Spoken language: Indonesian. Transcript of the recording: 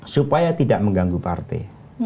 supaya tidak mengganggu partai